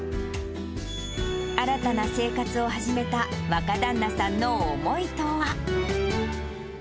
新たな生活を始めた若旦那さんの思いとは。